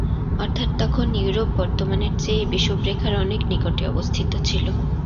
অর্থাৎ তখন ইউরোপ বর্তমানের চেয়ে বিষুবরেখার অনেক নিকটে অবস্থিত ছিল।